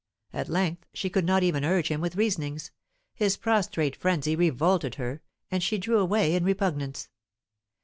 At length she could not even urge him with reasonings; his prostrate frenzy revolted her, and she drew away in repugnance.